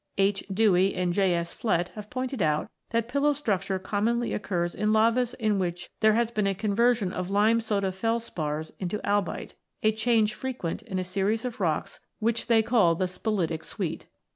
H. Dewey and J. S. Flett(67) have pointed out that pillow structure commonly occurs in lavas in which there has been a conversion of lime soda felspars into albite, a change frequent in a series of rocks which they call the "spilitic suite."